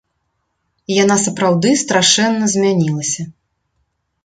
Яна сапраўды страшэнна змянілася.